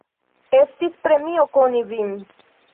Estis premio koni vin.